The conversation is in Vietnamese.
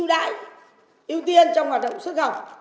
chú đại ưu tiên trong hoạt động xuất khẩu